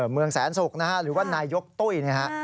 เมืองแสนสุกหรือว่านายยกตุ้ย